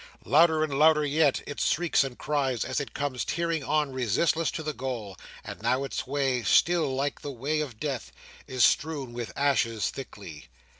Louder and louder yet, it shrieks and cries as it comes tearing on resistless to the goal: and now its way, still like the way of Death, is strewn with ashes thickly.